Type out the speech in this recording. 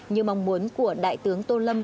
như mong muốn của đại tướng tô lâm